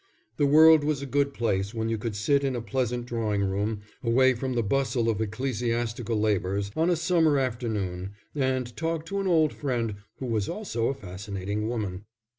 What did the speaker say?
The world was a good place when you could sit in a pleasant drawing room, away from the bustle of ecclesiastical labours, on a summer afternoon, and talk to an old friend who was also a fascinating woman.